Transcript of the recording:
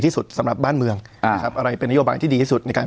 ที่สุดสำหรับบ้านเมืองอ่านะครับอะไรเป็นนโยบายที่ดีที่สุดในการ